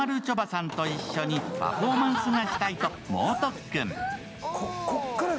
んと一緒にパフォーマンスがしたいと猛特訓。